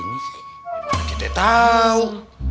bagaimana kita tahu